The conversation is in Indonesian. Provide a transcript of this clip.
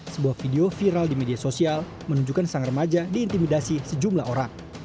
sebuah video viral di media sosial menunjukkan sang remaja diintimidasi sejumlah orang